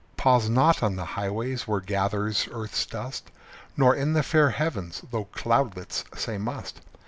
Pause not on the highways where gathers earth's dust, Nor in the fair heavens, though cloudlets say must.